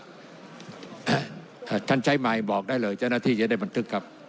ท่านใช้ไมค์บอกได้เลยเจ้าหน้าที่จะได้บันทึกครับ